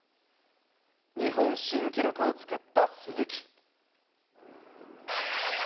日本新記録を作った鈴木。